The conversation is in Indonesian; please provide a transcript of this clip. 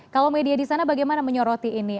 kalau media di sana bagaimana menyoroti ini